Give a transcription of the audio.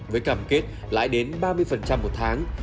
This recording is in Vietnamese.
với cảm kết lãi đến ba mươi một tháng